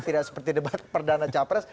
tidak seperti debat perdana capres